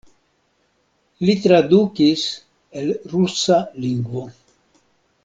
Li tradukis el rusa lingvo.